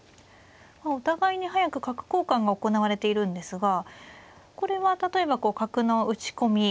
お互いに早く角交換が行われているんですがこれは例えばこう角の打ち込み